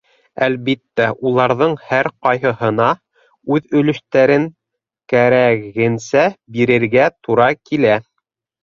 Әлбиттә, уларҙың һәр ҡайһыһына үҙ өлөштәрен кәрәгенсә бирергә тура килә.